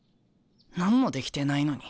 何もできてないのに。